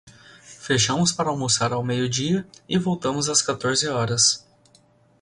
Fechamos para almoçar ao meio-dia e voltamos às quatorze horas.